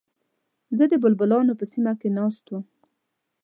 زه د بلبلانو په سیمه کې ناست وم.